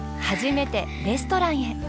初めてレストランへ。